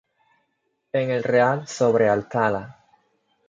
En el Real sobre Alcalá.